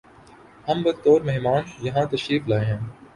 ہم بطور مہمان یہاں تشریف لائے ہیں